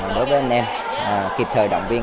đối với anh em kịp thời động viên